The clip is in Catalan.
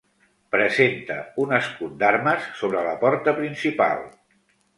Presenta un escut d'armes sobre la porta principal.